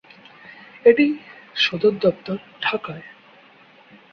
এটির সদর দপ্তর ঢাকায়।